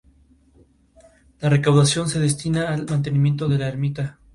Los capítulos uno y cuatro tratan de una forma exhaustiva el plan "Marte Directo".